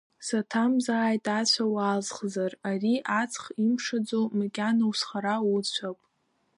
Саҭамзааит ацәа уалсхзар, ари аҵх имшаӡо макьана узхара уцәап.